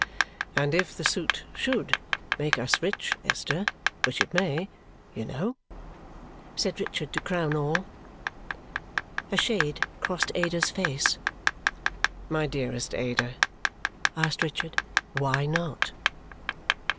"And if the suit SHOULD make us rich, Esther which it may, you know!" said Richard to crown all. A shade crossed Ada's face. "My dearest Ada," asked Richard, "why not?"